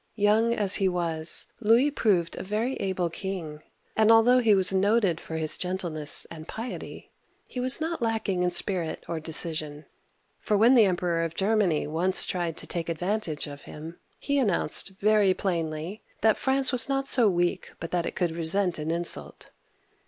Young as he was, Louis proved a very able king ; and although he was noted for his gentleness and piety, he was not lacking in spirit or decision; for when the Emperor of Germany once tried to take advantage of him, he announced very plainly that France was not so weak but that it could resent an insult